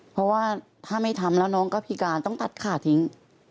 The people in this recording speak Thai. เพราะว่าถ้าไม่ทำแล้วน้องก็พิการต้องตัดขาทิ้ง